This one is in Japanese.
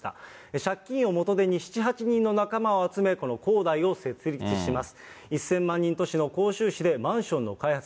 借金を元手に、７、８人の仲間を集め、この恒大を設立します。